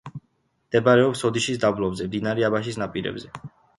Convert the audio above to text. მდებარეობს ოდიშის დაბლობზე, მდინარე აბაშის ნაპირებზე.